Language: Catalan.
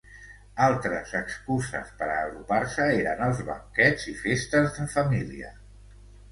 Altres excuses per a agrupar-se eren els banquets i festes de família.